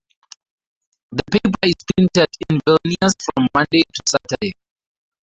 The paper is printed in Vilnius from Monday to Saturday.